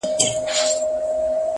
خر و ځان ته اريان و، خاوند ئې بار ته.